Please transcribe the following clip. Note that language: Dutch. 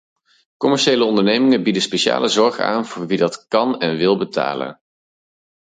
Commerciële ondernemingen bieden speciale zorg aan voor wie dat kan en wil betalen.